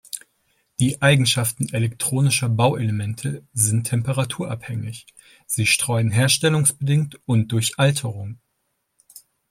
Die Eigenschaften elektronischer Bauelemente sind temperaturabhängig, sie streuen herstellungsbedingt und durch Alterung.